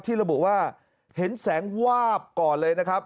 ระบุว่าเห็นแสงวาบก่อนเลยนะครับ